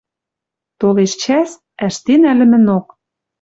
Толеш чӓс — ӓштенӓ лӹмӹнок.